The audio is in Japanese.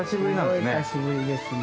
すごい久しぶりですね。